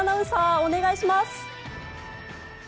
お願いします。